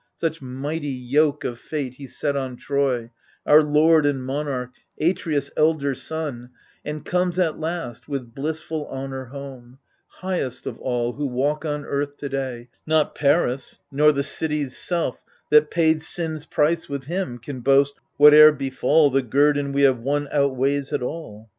Such mighty yoke of fate he set on Troy — Our lord and monarch, Atreus' elder son, And comes at last with blissful honour home ; Highest of all who walk on earth to day — Not Paris nor the city's self that paid Sin's price with him, can boast, What^er befaly The guerdon we have won outweighs it all.